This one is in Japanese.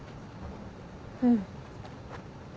うん。